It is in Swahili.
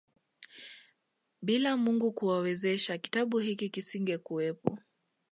Bila Mungu kuwawezesha kitabu hiki kisingelikuwepo